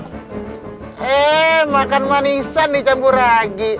eh makan manisan dicampur lagi